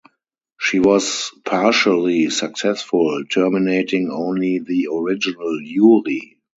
She was partially successful, terminating only the original Yuri.